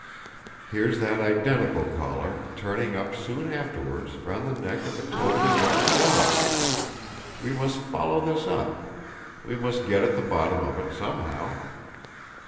Here's that identical collar turning up soon afterward round the neck of a totally different dog! We must follow this up; we must get at the bottom of it somehow!